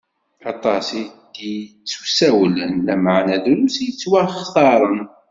Aṭas i d-ittusawlen, lameɛna drus i yettwaxtaṛen.